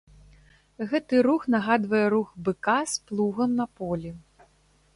Гэты рух нагадвае рух быка з плугам на полі.